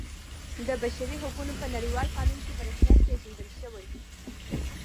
د بشري حقونو په نړیوال قانون کې په رسمیت پیژندل شوی.